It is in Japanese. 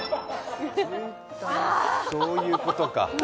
そういうことか。